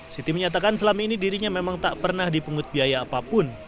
siti menyatakan selama ini dirinya memang tak pernah dipungut biaya apapun